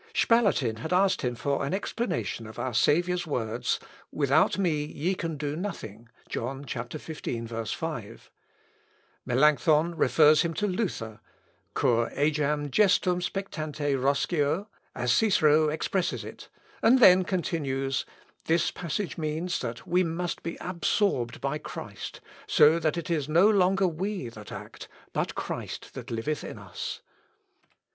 Spalatin had asked him for an explanation of our Saviour's words "Without me ye can do nothing," (John, xv, 5). Melancthon refers him to Luther "Cur agam gestum spectante Roscio? as Cicero expresses it; and then continues, "This passage means that we must be absorbed by Christ, so that it is no longer we that act, but Christ that liveth in us.